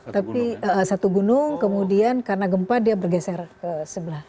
tapi satu gunung kemudian karena gempa dia bergeser ke sebelah